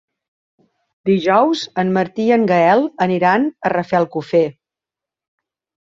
Dijous en Martí i en Gaël aniran a Rafelcofer.